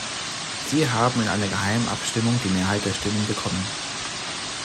Sie haben in einer geheimen Abstimmung die Mehrheit der Stimmen bekommen.